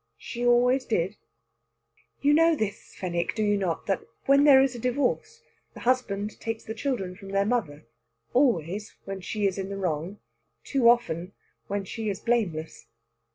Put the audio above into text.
She always did. "You know this, Fenwick, do you not, that when there is a divorce, the husband takes the children from their mother always, when she is in the wrong; too often, when she is blameless.